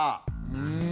うん。